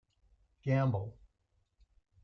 Gamble.